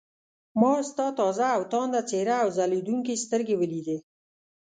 ما ستا تازه او تانده څېره او ځلېدونکې سترګې ولیدې.